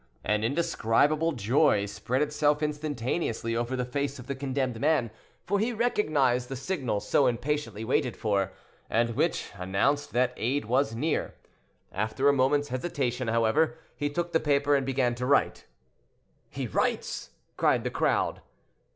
An indescribable joy spread itself instantaneously over the face of the condemned man, for he recognized the signal so impatiently waited for, and which announced that aid was near. After a moment's hesitation, however, he took the paper and began to write. "He writes!" cried the crowd.